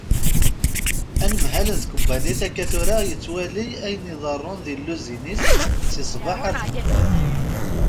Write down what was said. Anemhal n tkebbanit akka tura yettwali ayen iḍerrun di lluzin-is si sbeḥ ar tmeddit.